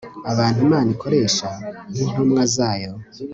Abantu Imana ikoresha nkintumwa zayo